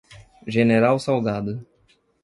General Salgado